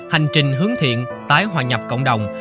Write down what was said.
hành trình hướng thiện tái hòa nhập cộng đồng